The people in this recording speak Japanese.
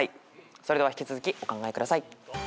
それでは引き続きお考えください。